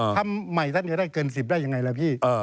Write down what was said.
ทำใหม่ท่านจะได้เกิน๑๐ได้ยังไงล่ะพี่